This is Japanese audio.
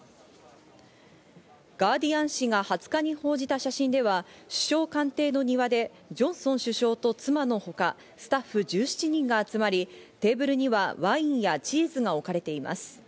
ガーディアン紙が２０日に報じた写真では、首相官邸の庭でジョンソン首相と妻のほかスタッフ１７人が集まり、テーブルにはワインやチーズが置かれています。